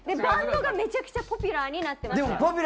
バンドがめちゃくちゃポピュラーになってました。